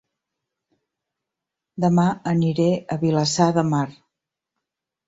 Dema aniré a Vilassar de Mar